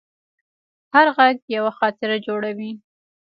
هر غږ یوه خاطره جوړوي.